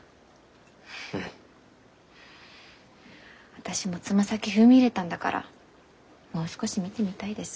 私もつま先踏み入れたんだからもう少し見てみたいです。